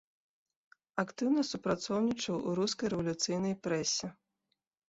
Актыўна супрацоўнічаў у рускай рэвалюцыйнай прэсе.